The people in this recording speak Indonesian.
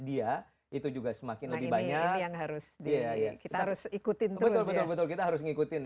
dia itu juga semakin lebih banyak yang harus dia ya kita harus ikutin betul betul kita harus ngikutin